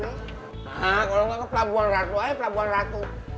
nah kalo gak ke pelabuhan ratu aja pelabuhan ratu